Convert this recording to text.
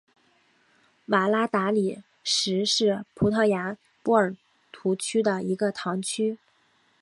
瓦拉达里什是葡萄牙波尔图区的一个堂区。